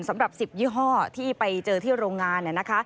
สำหรับ๑๐ยี่ห้อที่ไปเจอที่โรงงาน